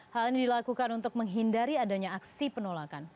hal ini dilakukan untuk menghindari adanya aksi penolakan